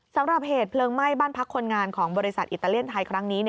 สำหรับเหตุเพลิงไหม้บ้านพักคนงานของบริษัทอิตาเลียนไทยครั้งนี้